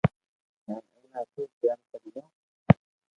ھين اوني ھکرو تيار ڪريو